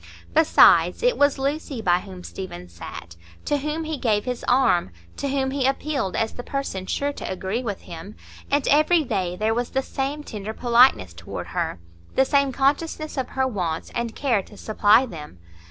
Besides, it was Lucy by whom Stephen sat, to whom he gave his arm, to whom he appealed as the person sure to agree with him; and every day there was the same tender politeness toward her, the same consciousness of her wants and care to supply them.